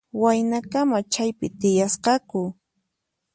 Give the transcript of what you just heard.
Waynakama chaypi tiyasqaku.